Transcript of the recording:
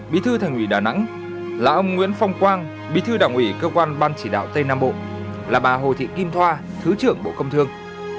bí thư thành ủy đà nẵng là ông nguyễn phong quang bí thư đảng ủy cơ quan ban chỉ đạo tây nam bộ là bà hồ thị kim thoa thứ trưởng bộ công thương